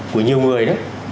của nhiều người